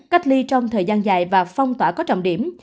cách ly trong thời gian dài và phong tỏa có trọng điểm